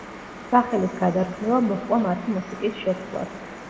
სახელის გადარქმევა მოჰყვა მათი მუსიკის შეცვლას.